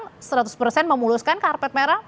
bilang seratus memuluskan karpet merah